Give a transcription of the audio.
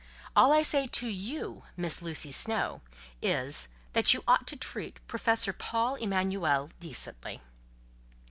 All I say to you, Miss Lucy Snowe, is—that you ought to treat Professor Paul Emanuel decently."